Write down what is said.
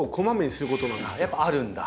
やっぱあるんだ。